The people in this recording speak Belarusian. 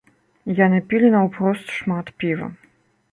Яны пілі наўпрост шмат піва.